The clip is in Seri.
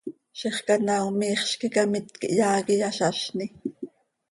Ziix canaao miixz quih icamitc inyaa quih iyazazni.